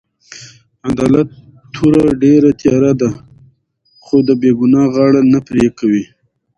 د عدالت توره ډېره تېره ده؛ خو د بې ګناه غاړه نه پرې کوي.